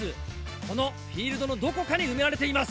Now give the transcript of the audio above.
このフィールドのどこかに埋められています。